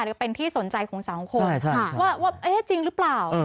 หรือเป็นที่สนใจของสังคมว่าเอ๊ะจริงหรือเปล่า